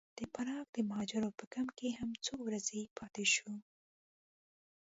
د پراګ د مهاجرو په کمپ کې هم څو ورځې پاتې شوو.